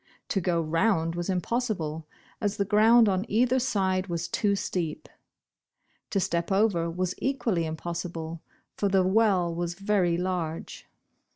To go round was impossible, as the ground on either side was too steep. To step over was equally impossible, Bosh Bosh Oil. 27 for the well was ver\ large.